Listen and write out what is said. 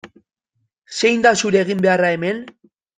Zein da zure eginbeharra hemen?